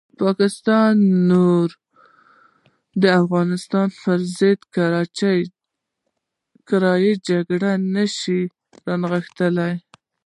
پاکستان نور د افغانستان پرضد کرایي جګړې نه شي رانغاړلی.